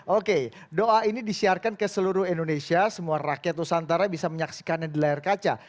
oke doa ini disiarkan ke seluruh indonesia semua rakyat nusantara bisa menyaksikannya di layar kaca